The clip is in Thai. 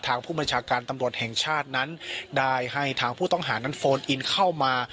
ทางผู้บัญชาการตำรวจแห่งชาตินั้นได้ให้ทางผู้ต้องหานั้นโฟนอินเข้ามา